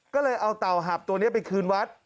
ก็เลยเอาเต่าหับตัวนี้ไปคืนวัด